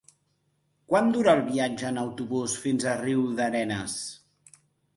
Quant dura el viatge en autobús fins a Riudarenes?